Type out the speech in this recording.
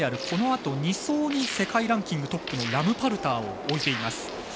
このあと２走に世界ランキングトップのラムパルターを置いています。